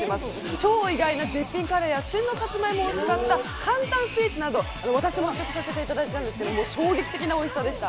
超意外な絶品カレーや旬のサツマイモを使った簡単スイーツなど、私も試食させてもらったんですけど衝撃的なおいしさでした。